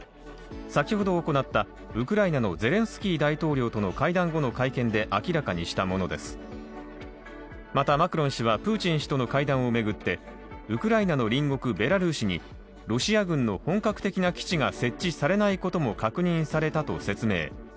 先ほど行ったウクライナのゼレンスキー大統領との会談後の会見で明らかにしたものです、またマクロン氏はプーチン氏との会談を巡ってウクライナの隣国ベラルーシに、ロシア軍の本格的な基地が設置されないことも確認されたと説明。